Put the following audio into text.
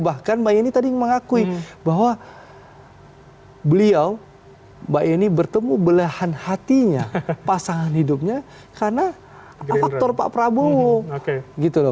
bahkan mbak ieni tadi mengakui bahwa beliau mbak ieni bertemu belahan hatinya pasangan hidupnya karena faktor pak prabowo